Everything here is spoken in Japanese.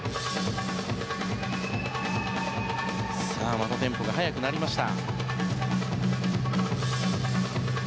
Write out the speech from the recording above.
またテンポが速くなりました。